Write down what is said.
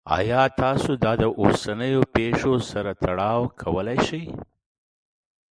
ایا تاسو دا د اوسنیو پیښو سره تړاو کولی شئ؟